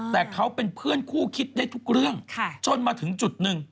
แต่เขาเป็นเพื่อนคู่คิดได้ทุกเรื่องจนมาถึงจุดหนึ่ง